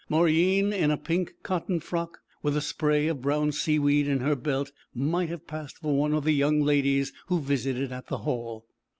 Mauryeen in a pink cotton frock, with a spray of brown seaweed in her belt, might have passed for one of the young ladies who visited at the Hall.